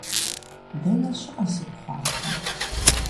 Дэнэ щыӏэ си пхъуантэр?